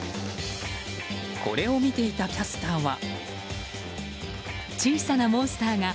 これを見ていたキャスターは。